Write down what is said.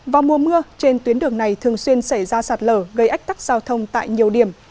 vào mùa mưa trên tuyến đường này thường xuyên xảy ra sạt lở gây ách tắc giao thông tại nhiều điểm